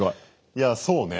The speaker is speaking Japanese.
いやそうね。